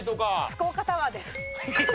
福岡タワーです。